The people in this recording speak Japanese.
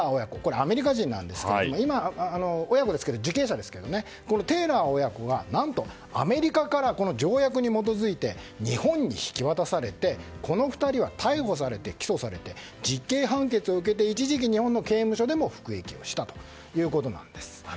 アメリカ人なんですけどテイラー親子は何とアメリカから条約に基づいて日本に渡されてこの２人は逮捕されて起訴されて実刑判決を受けて一時期日本の刑務所でも服役したという。